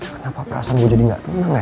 kenapa perasaan gue jadi gak tenang ya